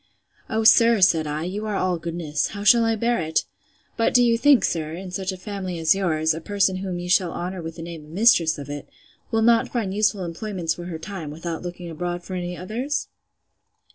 O, sir, said I, you are all goodness! How shall I bear it?—But do you think, sir, in such a family as yours, a person whom you shall honour with the name of mistress of it, will not find useful employments for her time, without looking abroad for any others?